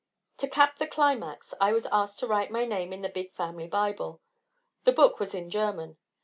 To cap the climax, I was asked to write my name in the big family Bible. The book was in German.